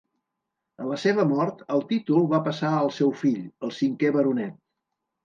A la seva mort el títol va passar al seu fill, el cinquè baronet.